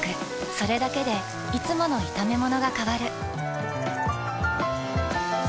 それだけでいつもの炒めものが変わる。